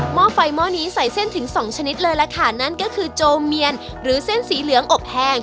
ห้อไฟหม้อนี้ใส่เส้นถึงสองชนิดเลยล่ะค่ะนั่นก็คือโจเมียนหรือเส้นสีเหลืองอบแห้ง